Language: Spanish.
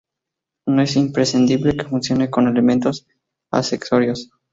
No es imprescindible que funcione con elementos accesorios.